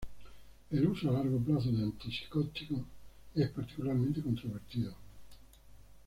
El uso a largo plazo de antipsicóticos es particularmente controvertido.